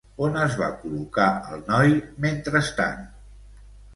On es va col·locar el noi mentrestant?